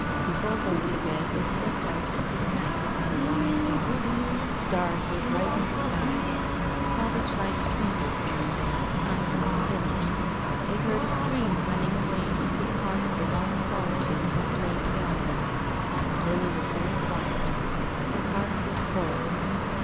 Before going to bed they stepped out into the night and the wide air. Stars were bright in the sky. Cottage lights twinkled here and there behind them in the village. They heard a stream running away into the heart of the long solitude that lay beyond them. Lily was very quiet. Her heart was full.